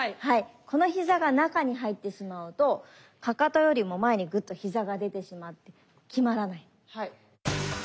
この膝が中に入ってしまうとかかとよりも前にグッと膝が出てしまって極まらない。